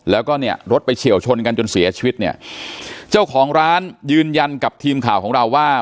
แล้วก็เนี่ยรถไปเฉียวชนกันจนเสียชีวิตเนี่ยเจ้าของร้านยืนยันกับทีมข่าวของเราว่า